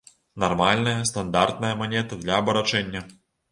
Нармальная стандартная манета для абарачэння.